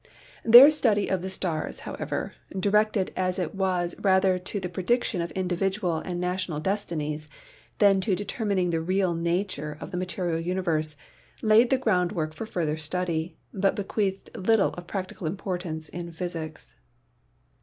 Their study of the stars, however, directed as it was rather to the prediction of individual and national destinies than to determining the real nature of the ma terial universe, laid the ground work for further study, but bequeathed little of practical importance in physics.